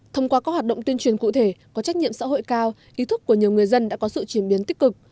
thông qua các hoạt động tuyên truyền cụ thể có trách nhiệm xã hội cao ý thức của nhiều người dân đã có sự chuyển biến tích cực